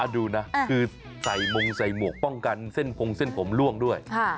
ดูนะคือใส่มงใส่หมวกป้องกันเส้นพงเส้นผมล่วงด้วย